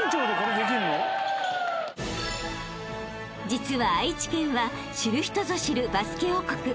［実は愛知県は知る人ぞ知るバスケ王国］